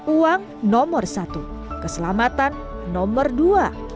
uang nomor satu keselamatan nomor dua